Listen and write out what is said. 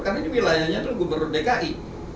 karena ini wilayahnya itu gubernur dki